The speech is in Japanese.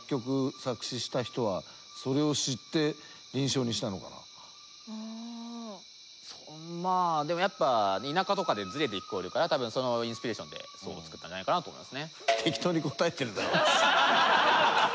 カエルのうたをまあでもやっぱり田舎とかでズレて聞こえるから多分そのインスピレーションでそう作ったんじゃないかなと思いますね。